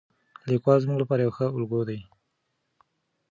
لیکوال زموږ لپاره یو ښه الګو دی.